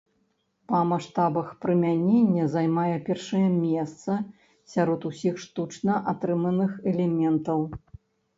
Па маштабах прымянення займае першае месца сярод усіх штучна атрыманых элементаў.